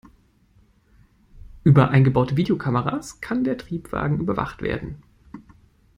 Über eingebaute Videokameras kann der Triebwagen überwacht werden.